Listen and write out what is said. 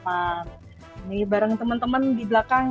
ini bareng teman teman di belakang